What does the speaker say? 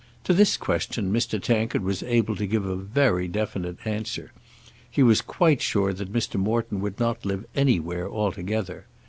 To this question Mr. Tankard was able to give a very definite answer. He was quite sure that Mr. Morton would not live anywhere altogether.